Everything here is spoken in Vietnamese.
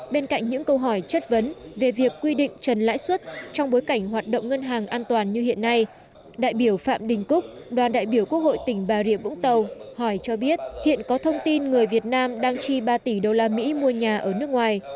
bên cạnh những câu hỏi chất vấn về việc quy định trần lãi suất trong bối cảnh hoạt động ngân hàng an toàn như hiện nay đại biểu phạm đình cúc đoàn đại biểu quốc hội tỉnh bà rịa vũng tàu hỏi cho biết hiện có thông tin người việt nam đang chi ba tỷ usd mua nhà ở nước ngoài